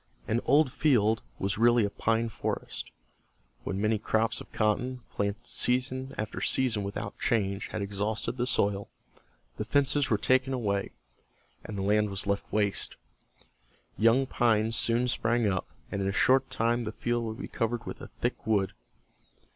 An "old field" was really a pine forest. When many crops of cotton, planted season after season without change, had exhausted the soil, the fences were taken away, and the land was left waste. Young pines soon sprang up, and in a short time the field would be covered with a thick wood.